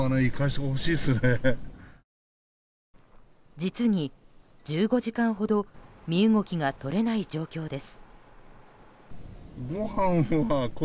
実に１５時間ほど身動きが取れない状況です。